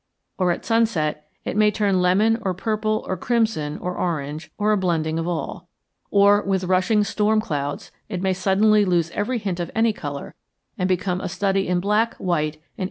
Or at sunset it may turn lemon or purple or crimson or orange, or a blending of all. Or, with rushing storm clouds, it may quite suddenly lose every hint of any color, and become a study in black, white, and intermediate grays.